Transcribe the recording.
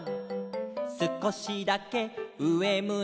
「すこしだけうえむいて」